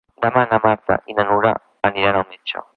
Demà na Marta i na Nura aniran al metge.